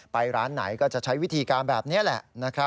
ร้านไหนก็จะใช้วิธีการแบบนี้แหละ